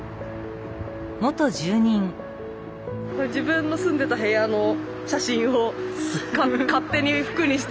これ自分の住んでた部屋の写真を勝手に服にして。